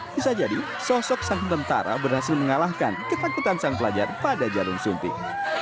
bisa jadi sosok sang tentara berhasil mengalahkan ketakutan sang pelajar pada jarum suntik